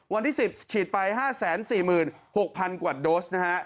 วันที่๑๐ฉีดไป๕๔๖๐๐๐กว่าโดสนะฮะ